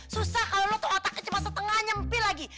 susah kalo lo tuh otaknya cuma setengah nyempil lagi